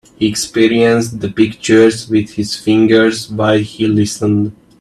He experienced the pictures with his fingers while he listened.